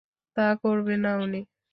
তা করবে না উনি।